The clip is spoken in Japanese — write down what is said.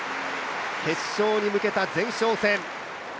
決勝に向けた前哨戦。